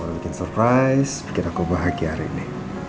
bikin surprise bikin aku bahagia hari ini